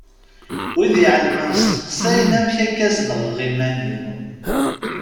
Wid iɛelmen steqsayen amek akka zedɣeɣ iman-iw.